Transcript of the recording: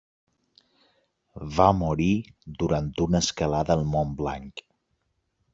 Va morir durant una escalada al Mont Blanc.